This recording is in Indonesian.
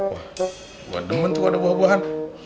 wah demen tuh ada buah buahan